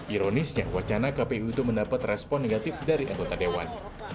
ironisnya wacana kpu itu mendapat respon negatif dari anggota dewan